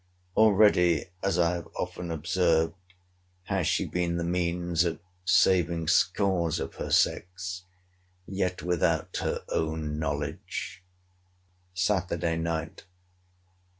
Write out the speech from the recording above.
Already, as I have often observed, has she been the means of saving scores of her sex, yet without her own knowledge. SATURDAY NIGHT.